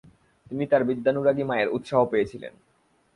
তিনি তার বিদ্যানুরাগী মায়ের উৎসাহ পেয়েছিলেন।